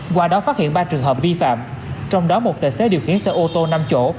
qua đó phát hiện ba trường hợp vi phạm trong đó một tài xế điều khiển xe ô tô năm chỗ